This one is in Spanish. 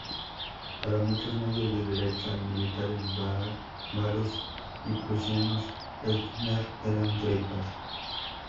Para muchos medios de derecha y militares bávaros y prusianos, Eisner era un traidor.